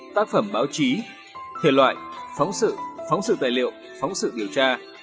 tác phẩm báo chí thể loại phóng sự phóng sự tài liệu phóng sự điều tra